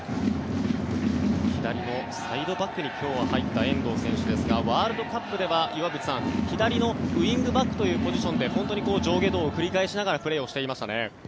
左のサイドバックに今日は入った遠藤選手ですがワールドカップでは岩渕さん左のウィングバックというポジションで本当に上下動を繰り返しながらプレーをしていましたね。